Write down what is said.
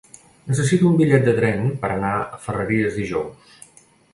Necessito un bitllet de tren per anar a Ferreries dijous.